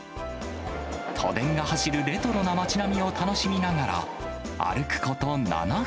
都電が走るレトロな街並みを楽しみながら、歩くこと７分。